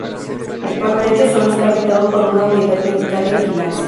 Actualmente solo está habitado por una unidad militar de vigilancia.